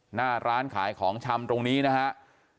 หน้าร้านขายของชำตรงนี้นะครับ